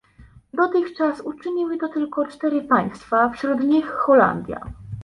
Dotychczas uczyniły to tylko cztery państwa, wśród nich Holandia